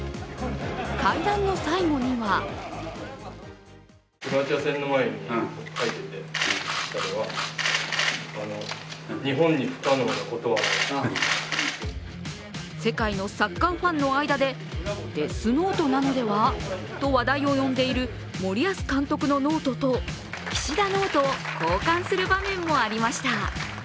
会談の最後には世界のサッカーファンの間でデスノートなのではと話題を呼んでいる森保監督のノートと岸田ノートを交換する場面もありました。